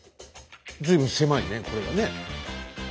随分狭いねこれはね。